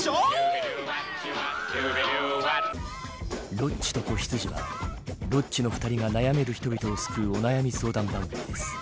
「ロッチと子羊」はロッチの２人が悩める人々を救うお悩み相談番組です。